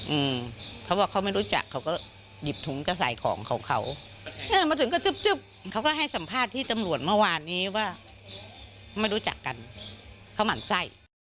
อืมเขาบอกเขาไม่รู้จักเขาก็หยิบถุงกระใส่ของเขาเขาอ่ามาถึงก็จึ๊บจึ๊บเขาก็ให้สัมภาษณ์ที่ตำรวจเมื่อวานนี้ว่าไม่รู้จักกันเขาหมั่นไส้